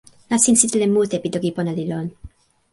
nasin sitelen mute pi toki pona li lon.